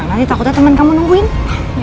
ini dia perkataankannya